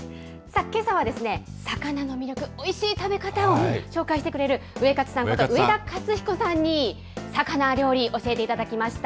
けさは、魚の魅力、おいしい食べ方を紹介してくれる、ウエカツさんこと、上田勝彦さんに、魚料理教えていただきました。